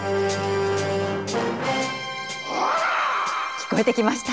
聞こえてきました。